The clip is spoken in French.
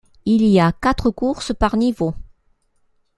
Il y a quatre courses par niveaux.